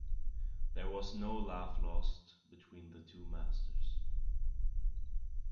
There was no love lost between the two masters.